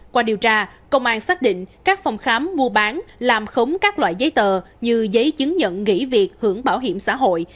qua điều tra công an xác định các phòng khám mua bán làm khống các loại giấy tờ như giấy chứng nhận nghỉ việc hưởng bảo hiểm xã hội